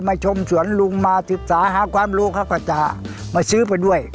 ชมสวนลุงมาศึกษาหาความรู้เขาก็จะมาซื้อไปด้วย